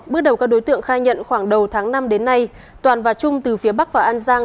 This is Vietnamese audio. bước đầu các đối tượng khai nhận khoảng đầu tháng năm đến nay toàn và trung từ phía bắc vào an giang